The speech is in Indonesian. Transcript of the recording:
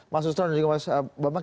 mas susron dan juga mas bambang